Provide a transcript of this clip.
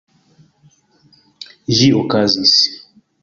Ĝi okazis.